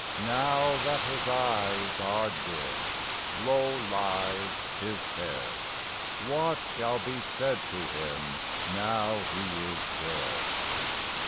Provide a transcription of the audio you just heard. Now that his eyes are dim, Low lies his head? What shall be said to him, Now he is dead?